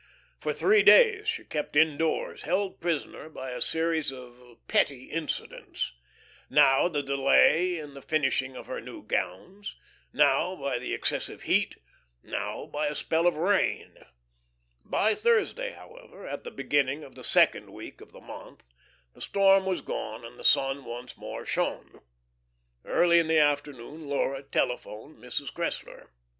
For three days she kept indoors, held prisoner by a series of petty incidents; now the delay in the finishing of her new gowns, now by the excessive heat, now by a spell of rain. By Thursday, however, at the beginning of the second week of the month, the storm was gone, and the sun once more shone. Early in the afternoon Laura telephoned to Mrs. Cressler.